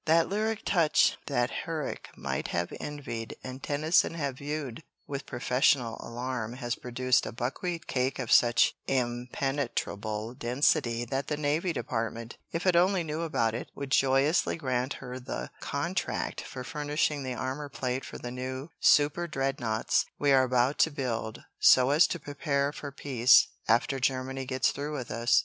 That lyric touch that Herrick might have envied and Tennyson have viewed with professional alarm has produced a buckwheat cake of such impenetrable density that the Navy Department, if it only knew about it, would joyously grant her the contract for furnishing the armor plate for the new superdreadnoughts we are about to build so as to be prepared for Peace after Germany gets through with us.